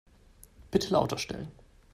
Bitte lauter stellen.